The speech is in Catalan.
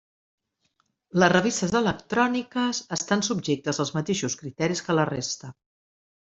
Les revistes electròniques estan subjectes als mateixos criteris que la resta.